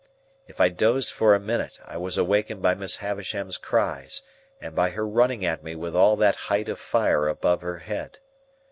If I dozed for a minute, I was awakened by Miss Havisham's cries, and by her running at me with all that height of fire above her head.